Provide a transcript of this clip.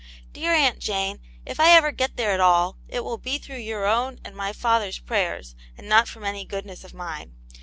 "Dear Aunt Jane, if I ever get thereat all, it will be through your own and my father's prayers, and not from any goodness of mine.